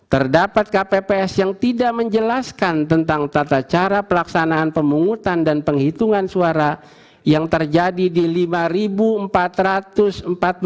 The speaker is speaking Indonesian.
terdapat kpps yang tidak menjelaskan tentang tata cara pelaksanaan pemungutan dan penghitungan suara yang terjadi di lima empat ratus empat puluh